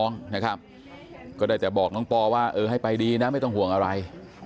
นะครับก็ได้แต่บอกน้องปอว่าเออให้ไปดีนะไม่ต้องห่วงอะไร